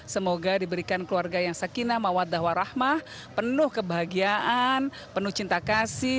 semoga diberikan keluarga yang sakinah mawadah warahmah penuh kebahagiaan penuh cinta kasih